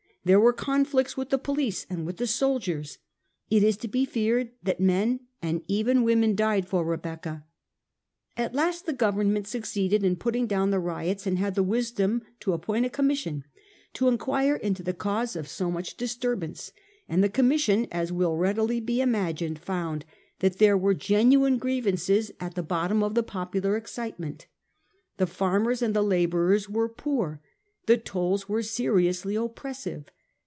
There were conflicts with the police and with the soldiers. It is to be feared that men and even women died for Rebecca. At last the Government succeeded in putting down the riots, and had the wisdom to appoint a Commis sion to inquire into the cause of so much disturbance ; and the Commission, as will readily be imagined, found that there were genuine grievances at the bottom of the popular excitement. The farmers and the labourers were poor; the tolls were seriously oppressive.